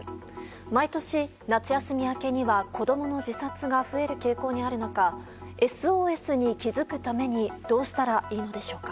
毎年、夏休み明けには子供の自殺が増える傾向にある中ＳＯＳに気づくためにどうしたらいいのでしょうか。